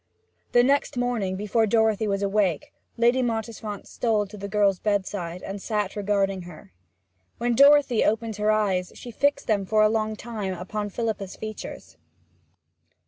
The next morning, before Dorothy was awake, Lady Mottisfont stole to the girl's bedside, and sat regarding her. When Dorothy opened her eyes, she fixed them for a long time upon Philippa's features.